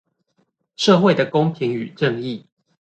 社會的公平與正義